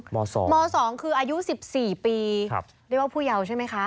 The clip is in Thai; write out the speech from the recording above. ม๒คืออายุ๑๔ปีเรียกว่าผู้เยาว์ใช่ไหมคะ